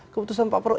keputusan pak prabowo